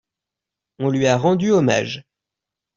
On lui a rendu hommage.